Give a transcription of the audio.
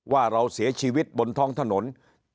ว่าเราเสียชีวิตบนท้องถนน